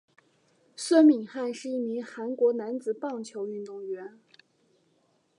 孙敏汉是一名韩国男子棒球运动员。